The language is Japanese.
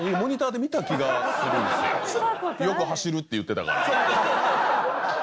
よく走るって言ってたから。